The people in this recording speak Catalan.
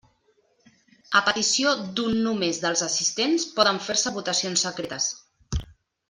A petició d'un només dels assistents, poden fer-se votacions secretes.